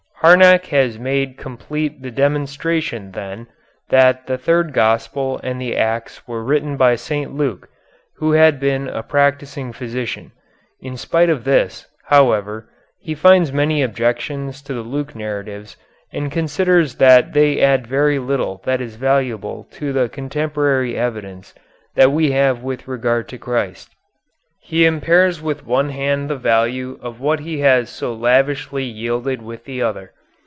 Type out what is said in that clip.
Harnack has made complete the demonstration, then, that the third gospel and the Acts were written by St. Luke, who had been a practising physician. In spite of this, however, he finds many objections to the Luke narratives and considers that they add very little that is valuable to the contemporary evidence that we have with regard to Christ. He impairs with one hand the value of what he has so lavishly yielded with the other.